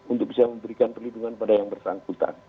untuk bisa memberikan perlindungan pada yang bersangkutan